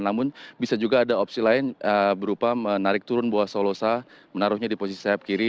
namun bisa juga ada opsi lain berupa menarik turun bawah solosa menaruhnya di posisi sayap kiri